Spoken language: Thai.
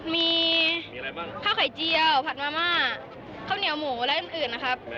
มีข้าวไข่เจียวผัดมาม่าข้าวเหนียวหมูและอื่นนะครับ